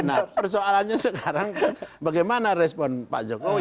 nah persoalannya sekarang bagaimana respon pak jokowi